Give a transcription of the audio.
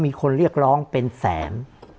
มีคนเรียกร้องเป็นแสน